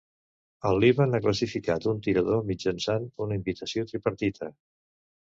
El Líban ha classificat un tirador mitjançant una invitació tripartita.